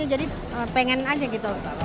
jadi pengen aja gitu